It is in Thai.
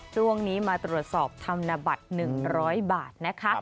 ช่วงนี้มาตรวจสอบธนบัตร๑๐๐บาทนะคะ